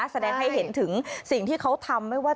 แสดงให้เห็นถึงสิ่งที่เขาทำไม่ว่า